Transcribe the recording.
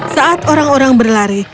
saat orang orang berlari